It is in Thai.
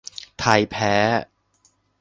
ไทยแพ้